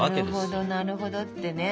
なるほどなるほどってね。